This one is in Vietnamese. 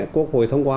quốc hội thông qua